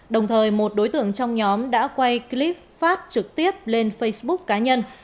đồng thời một đối tượng trong nhóm đã quay clip phát trực tiếp lên facebook cá nhân